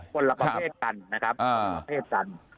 คนละครเทศกันนะครับคนละครเทศกัน